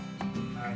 はい。